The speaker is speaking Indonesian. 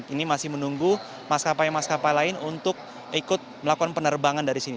ini masih menunggu maskapai maskapai lain untuk ikut melakukan penerbangan dari sini